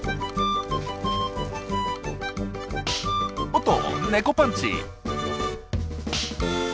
おっと猫パンチ！